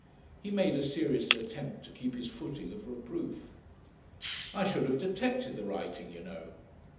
He made a serious attempt to keep his footing of reproof. "I should have detected the writing, you know."